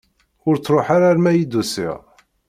Ur truḥ ara alma i d-usiɣ.